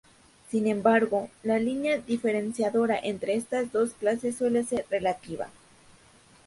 Sin embargo, la línea diferenciadora entre estas dos clases suele ser relativa.